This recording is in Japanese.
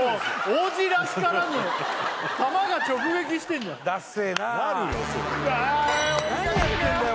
央士らしからぬ球が直撃してんじゃんなるよそう何やってんだよ